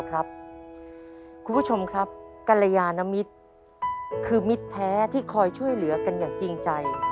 คุณผู้ชมครับกรยานมิตรคือมิตรแท้ที่คอยช่วยเหลือกันอย่างจริงใจ